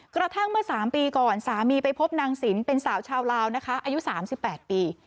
กระทั่งเมื่อ๓ปีก่อนสามีไปพบนางสินเป็นสาวชาวลาวนะคะอายุ๓๘ปี